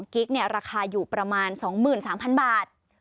๓๒กิกเนี่ยราคาอยู่ประมาณ๒๓๐๐๐บาท